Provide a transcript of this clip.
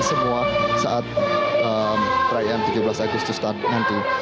jadi semua saat raya tujuh belas agustus nanti